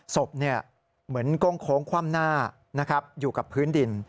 ศพเหมือนโก้งโค้งคว่ำหน้าอยู่กับพื้นดิน